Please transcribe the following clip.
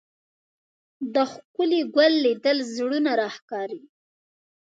د ښکلي ګل لیدل زړونه راښکاري